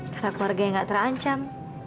keluarga yang gak terancam